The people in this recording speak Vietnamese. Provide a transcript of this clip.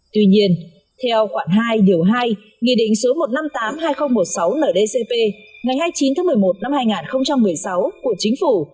tuy nhiên theo khoản hai điều hai nghị định số một trăm năm mươi tám hai nghìn một mươi sáu ndcp ngày hai mươi chín tháng một mươi một năm hai nghìn một mươi sáu của chính phủ